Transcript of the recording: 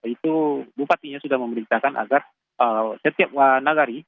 itu bupatinya sudah memerintahkan agar setiap nagari